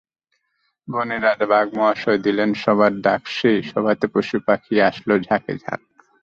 বনের রাজা বাঘ মহাশয় দিলেন সভার ডাকসেই সভাতে পশু-পাখি আসল ঝাঁকে ঝাঁক।